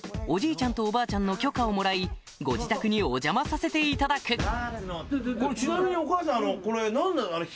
ちゃんとおばあちゃんの許可をもらいご自宅にお邪魔させていただくっていうのは？